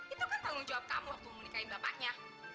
itu kan tanggung jawab kamu waktu menikahin bapaknya